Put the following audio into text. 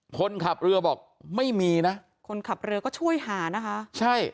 คนขับเรือบอกไม่มีนะคนขับเรือก็ช่วยหานะคะใช่